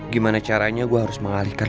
gimana caranya gue harus mengalihkan